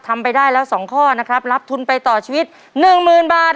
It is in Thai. ไปได้แล้ว๒ข้อนะครับรับทุนไปต่อชีวิต๑๐๐๐บาท